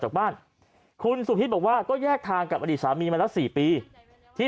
จากบ้านคุณสุพิษบอกว่าก็แยกทางกับอดีตสามีมาแล้ว๔ปีที่